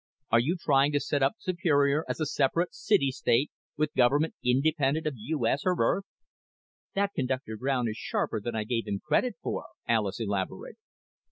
R u trying set up Spr as separate city state w/govt independent of U S or Earth? ('That Conductor Brown is sharper than I gave him credit for,' Alis elaborated.)